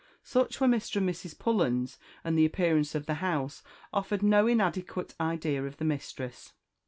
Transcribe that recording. Such were Mr. and Mrs. Pullens; and the appearance of the house offered no inadequate idea of the mistress.